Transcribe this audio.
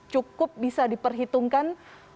cukup bisa diperhitungkan